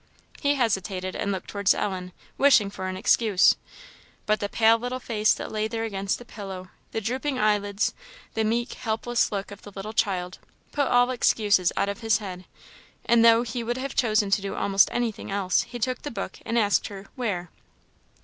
He hesitated, and looked towards Ellen, wishing for an excuse. But the pale little face that lay there against the pillow the drooping eyelids the meek, helpless look of the little child, put all excuses out of his head; and though he would have chosen to do almost anything else, he took the book, and asked her "Where?"